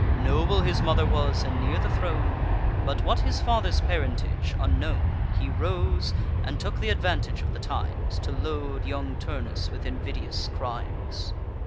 Noble his mother was, and near the throne; But, what his father's parentage, unknown. He rose, and took th' advantage of the times, To load young Turnus with invidious crimes.